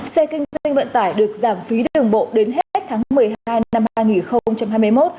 xe kinh doanh vận tải được giảm phí đường bộ đến hết tháng một mươi hai năm hai nghìn hai mươi một